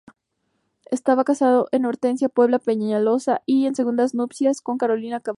Estaba casado con Hortensia Puebla Peñaloza y en segundas nupcias con Carolina Palacio.